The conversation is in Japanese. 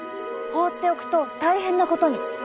放っておくと大変なことに。